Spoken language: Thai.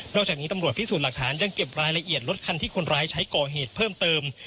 จากนี้ตำรวจพิสูจน์หลักฐานยังเก็บรายละเอียดรถคันที่คนร้ายใช้ก่อเหตุเพิ่มเติม